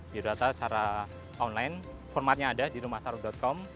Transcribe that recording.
biodata secara online formatnya ada di rumahtaaruf com